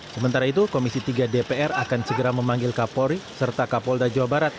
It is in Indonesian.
sementara itu komisi tiga dpr akan segera memanggil kapolri serta kapolda jawa barat